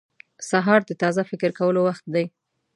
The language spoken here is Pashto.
• سهار د تازه فکر کولو وخت دی.